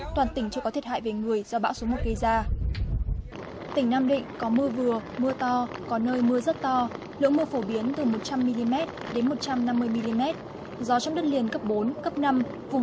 toàn tỉnh chưa có thiệt hại về người do bão số một gây ra